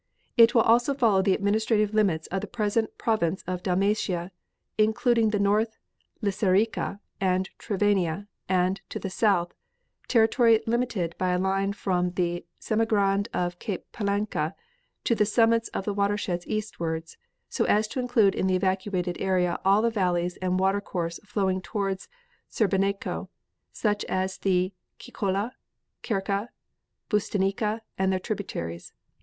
It will also follow the administrative limits of the present province of Dalmatia, including the north Lisarica and Trivania and, to the south, territory limited by a line from the Semigrand of Cape Planca to the summits of the watersheds eastwards, so as to include in the evacuated area all the valleys and water course flowing towards Sebenaco, such as the Cicola, Kerka, Butisnica and their tributaries.